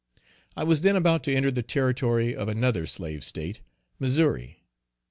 I was then about to enter the territory of another slave State, Missouri.